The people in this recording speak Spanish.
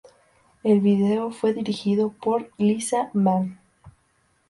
El video fue dirigido por "Lisa Mann".